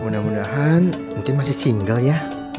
mudah mudahan mungkin masih single ya